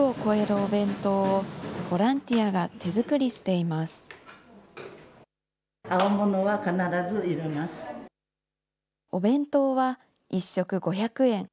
お弁当は、１食５００円。